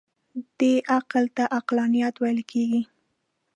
دې کار ته عقلانیت ویل کېږي.